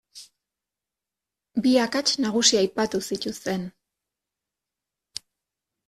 Bi akats nagusi aipatu zituzten.